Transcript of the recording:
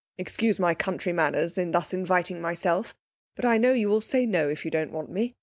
'Excuse my country manners in thus inviting myself. But I know you will say no if you don't want me.